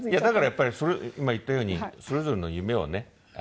だからやっぱり今言ったようにそれぞれの夢をね